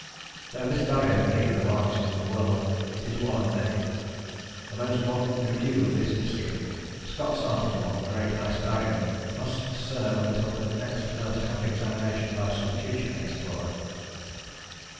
Though this Barrier may be the largest in the world, it is one of many. The most modern review of this mystery, Scott's article on The Great Ice Barrier, must serve until the next first hand examination by some future explorer.